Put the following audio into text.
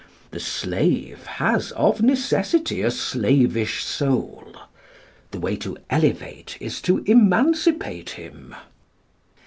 The slave has of necessity a slavish soul. The way to elevate is to emancipate him.